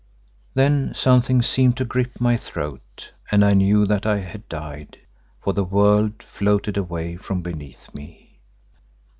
Then something seemed to grip my throat and I knew that I had died—for the world floated away from beneath me.